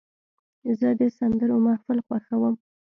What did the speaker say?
زه د سندرو محفل خوښوم.